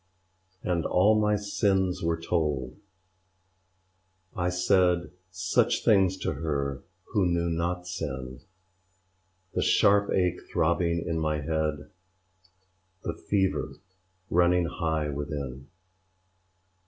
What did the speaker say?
And all my sins were told; I said Such things to her who knew not sinŚ The sharp ache throbbing in my head, The fever running high within.